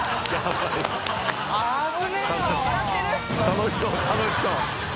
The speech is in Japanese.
楽しそう楽しそう